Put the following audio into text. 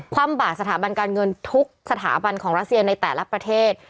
ความบาดสถาบันการเงินทุกสถาบันของรัสเซียในแต่ละประเทศ